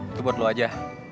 itu buat lo aja